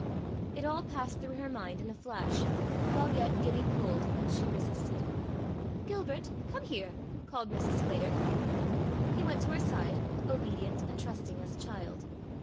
It all passed through her mind in a flash, while yet Gibbie pulled and she resisted. "Gilbert, come here," called Mrs. Sclater. He went to her side, obedient and trusting as a child.